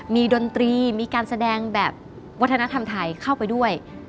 ดนตรีมีการแสดงแบบวัฒนธรรมไทยเข้าไปด้วย